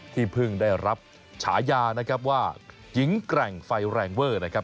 ที่เพิ่งได้รับฉายานะครับว่าหญิงแกร่งไฟแรงเวอร์นะครับ